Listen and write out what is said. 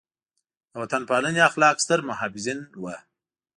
د وطن پالنې اخلاق ستر محافظین وو.